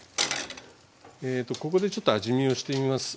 ここでちょっと味見をしてみます。